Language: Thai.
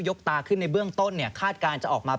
ตาขึ้นในเบื้องต้นเนี่ยคาดการณ์จะออกมา